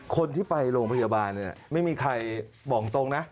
คนที่ไปโรงพยาบาลไม่มีใครบ่องตรงนะ